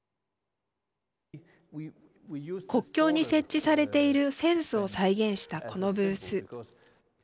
国境に設置されているフェンスを再現したこのブース。